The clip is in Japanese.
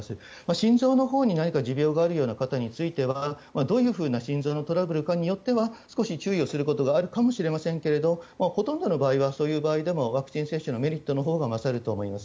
心臓のほうに何か持病があるような方についてはどういう心臓のトラブルかによっては少し注意をすることがあるかもしれませんがほとんどの場合はワクチン接種のメリットのほうが勝ると思います。